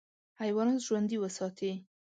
حیوانات ژوندي وساتې.